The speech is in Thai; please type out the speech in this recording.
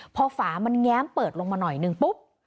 พอฝามันแง้มเปิดลงมาหน่อยหนึ่งปุ๊บ